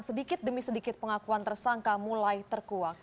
sedikit demi sedikit pengakuan tersangka mulai terkuak